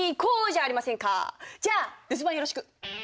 じゃあ留守番よろしく！